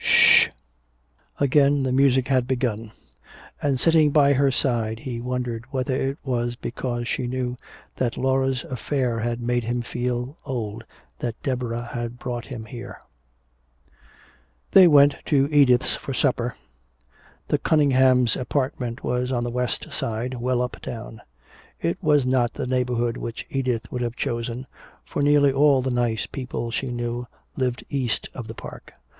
Sh h h!" Again the music had begun. And sitting by her side he wondered whether it was because she knew that Laura's affair had made him feel old that Deborah had brought him here. They went to Edith's for supper. The Cunninghams' apartment was on the west side, well uptown. It was not the neighborhood which Edith would have chosen, for nearly all the nice people she knew lived east of the park.